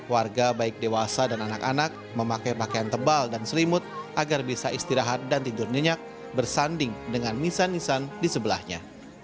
warga baik dewasa dan anak anak memakai pakaian tebal dan selimut agar bisa istirahat dan tidur nyenyak bersanding dengan nisan nisan di sebelahnya